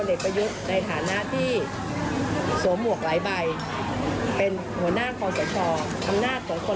สร้างเงื่อนไขพูดไปก่อน